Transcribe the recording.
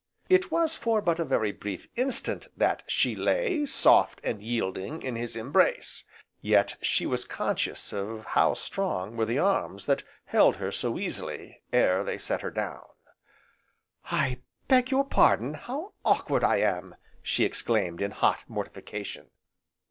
It was for but a very brief instant that she lay, soft and yielding, in his embrace, yet she was conscious of how strong were the arms that held her so easily, ere they set her down. "I beg your pardon! how awkward I am!" she exclaimed, in hot mortification.